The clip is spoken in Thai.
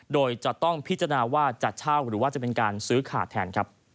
โดยจะต้องพิจารณาว่าจะเช่าหรือว่าจะเป็นการซื้อขาดแทนครับ